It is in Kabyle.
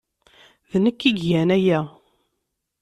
D nekk ay igan aya.